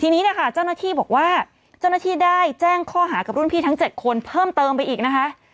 ทีนี้นะคะเจ้าหน้าที่บอกว่าเจ้าหน้าที่ได้แจ้งข้อหากับรุ่นพี่ทั้ง๗คนเพิ่มเติมไปอีกนะคะ